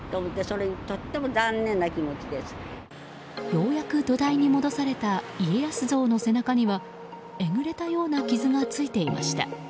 ようやく土台に戻された家康像の背中にはえぐれたような傷がついていました。